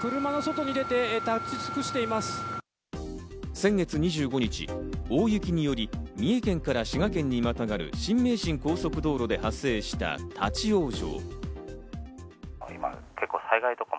先月２５日、大雪により三重県から滋賀県にまたがる新名神高速道路で発生した立ち往生。